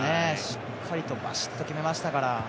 しっかりとばしっと決めましたから。